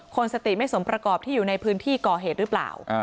คนสติไม่สมประกอบที่อยู่ในพื้นที่ก่อเหตุหรือเปล่า